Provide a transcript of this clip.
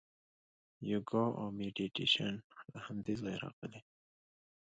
یوګا او میډیټیشن له همدې ځایه راغلي.